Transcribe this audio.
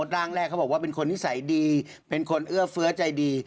ร่างแรกเขาบอกว่าเป็นคนนิสัยดีเป็นคนเอื้อเฟื้อใจดี